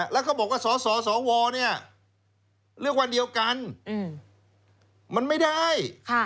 แล้วเขาบอกว่าสสวเนี่ยเลือกวันเดียวกันมันไม่ได้